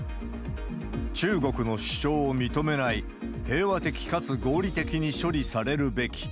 中国の主張を認めない、平和的かつ合理的に処理されるべき。